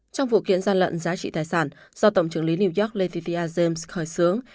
trong vụ kiện gian lận giá trị tài sản do tổng trưởng lý new york leninia james khởi xướng